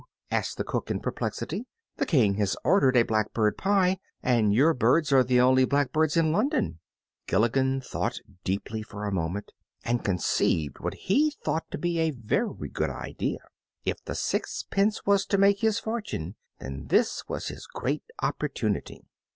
asked the cook, in perplexity; "the King has ordered a blackbird pie, and your birds are the only blackbirds in London." Gilligren thought deeply for a moment, and conceived what he thought to be a very good idea. If the sixpence was to make his fortune, then this was his great opportunity.